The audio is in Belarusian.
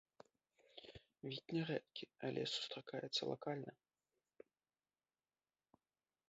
Від нярэдкі, але сустракаецца лакальна.